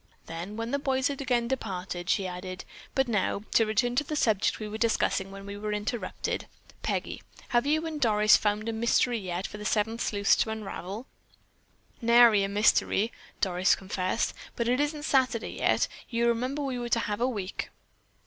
Then, when the boys had again departed, she added: "But now, to return to the subject we were discussing when we were interrupted. Peggy, have you and Doris found a mystery yet for the Seven Sleuths to unravel?" "Nary a mystery," Doris confessed, "but it isn't Saturday yet. You remember we were to have a week."